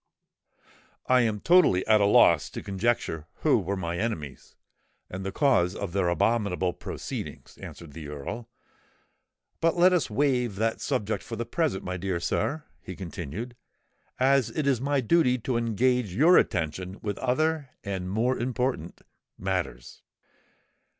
"I am totally at a loss to conjecture who were my enemies, and the cause of their abominable proceedings," answered the Earl. "But let us waive that subject for the present, my dear sir," he continued; "as it is my duty to engage your attention with other and more important matters."